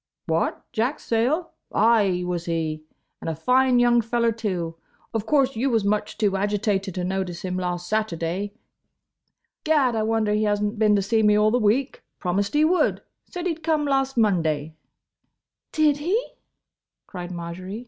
"What, Jack Sayle? Ay, was he. And a fine young feller, too. Of course you was much too agitated to notice him last Saturday. Gad! I wonder he has n't been to see me all the week. Promised he would. Said he 'd come last Monday." "Did he?" cried Marjory.